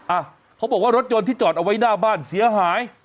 อ่ะเขาบอกว่ารถยนต์ที่จอดเอาไว้หน้าบ้านเสียหาย